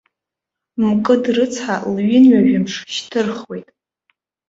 Мкыд рыцҳа лҩынҩажәамш шьҭырхуеит.